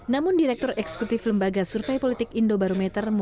namun direktur eksekutif lembaga survei politik indobarometer